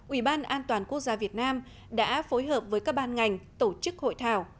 ủy ban an toàn quốc gia việt nam đã phối hợp với các ban ngành tổ chức hội thảo